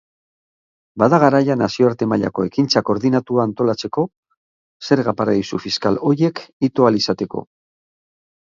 Bada garaia nazioarte-mailako ekintza koordinatua antolatzeko zerga-paradisu fiskal horiek ito ahal izateko.